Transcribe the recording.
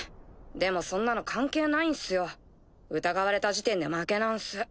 でもそんなの関係ないっすよ。疑われた時点で負けなんす。